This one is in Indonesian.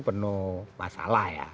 penuh masalah ya